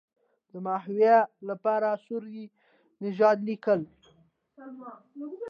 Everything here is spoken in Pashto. د ماهویه لپاره سوري نژاد لیکلی.